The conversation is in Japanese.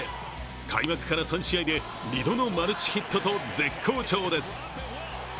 開幕から３試合で２度のマルチヒットと絶好調です。